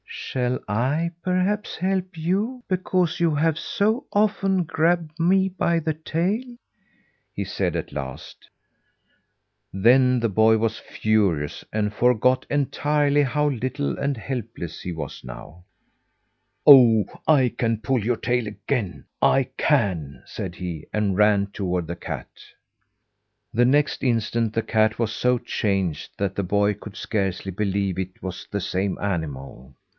"Shall I perhaps help you because you have so often grabbed me by the tail?" he said at last. Then the boy was furious and forgot entirely how little and helpless he was now. "Oh! I can pull your tail again, I can," said he, and ran toward the cat. The next instant the cat was so changed that the boy could scarcely believe it was the same animal.